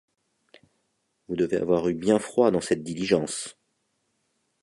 Vous devez avoir eu bien froid dans cette diligence !